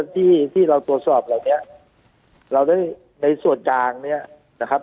ที่ที่เราตรวจสอบเหล่านี้เราได้ในส่วนกลางเนี่ยนะครับ